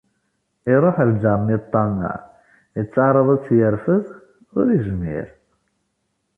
Iruḥ lğar-nni ṭṭameε, ittaεraḍ ad tt-yerfed, ur izmir.